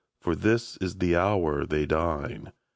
For this is the hour they dine.